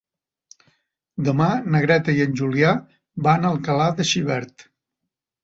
Demà na Greta i en Julià van a Alcalà de Xivert.